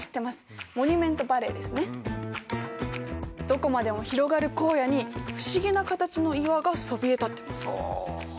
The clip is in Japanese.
どこまでも広がる荒野に不思議な形の岩がそびえ立ってます。